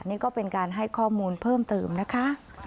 นี่ก็เป็นการให้ข้อมูลเพิ่มเติมนะคะ